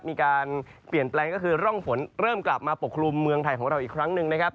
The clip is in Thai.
มีการเปลี่ยนแปลงก็คือร่องฝนเริ่มกลับมาปกครุมเมืองไทยของเราอีกครั้งหนึ่งนะครับ